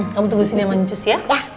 kamu tunggu sini mancus ya